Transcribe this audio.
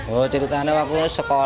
oh ceritanya waktu itu sekolah